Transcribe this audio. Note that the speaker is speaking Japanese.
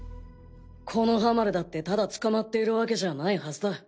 木ノ葉丸だってただ捕まっているわけじゃないはずだ。